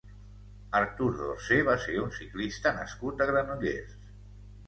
Artur Dorsé va ser un ciclista nascut a Granollers.